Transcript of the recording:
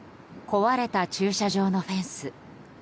壊れた駐車場のフェンス。